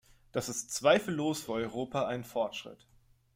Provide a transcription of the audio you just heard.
Das ist zweifellos für Europa ein Fortschritt.